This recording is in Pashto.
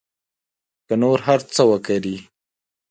که نور هر څه وکري.